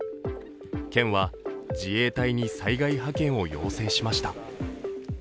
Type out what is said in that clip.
県は自衛隊に災害派遣を要請しました。